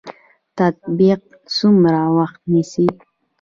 تطبیق څومره وخت نیسي؟